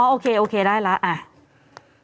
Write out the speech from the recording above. โอเคโอเคได้แล้วอ่ะ